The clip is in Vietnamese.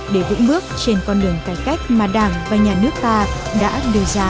để vững bước trên con đường cải cách mà đảng và nhà nước ta đã đưa ra